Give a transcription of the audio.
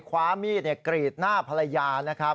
คว้ามีดกรีดหน้าภรรยานะครับ